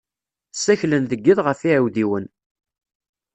Ssaklen deg iḍ ɣef yiɛidiwen.